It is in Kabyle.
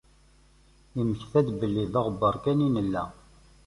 Immekta-d belli d aɣebbar kan i nella.